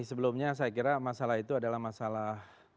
sebelumnya saya kira masalah itu adalah masalah